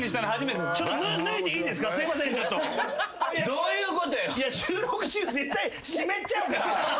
どういうことや。